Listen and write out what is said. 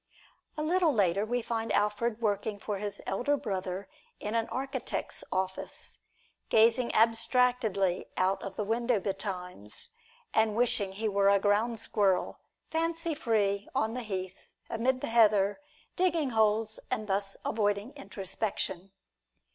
A little later we find Alfred working for his elder brother in an architect's office, gazing abstractedly out of the window betimes, and wishing he were a ground squirrel, fancy free on the heath and amid the heather, digging holes, thus avoiding introspection.